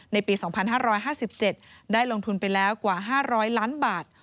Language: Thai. ในปี๒๕๕๗ได้ลงทุนไปแล้วกว่า๕๐๐ล้านบาท